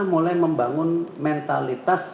mulai membangun mentalitas